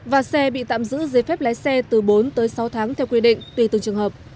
và xe bị tạm giữ giấy phép lái xe từ bốn tới sáu tháng theo quy định tùy từng trường hợp